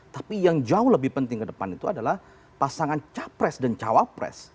tapi yang jauh lebih penting ke depan itu adalah pasangan capres dan cawapres